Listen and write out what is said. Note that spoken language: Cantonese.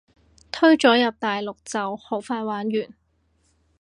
推咗入大陸就好快玩完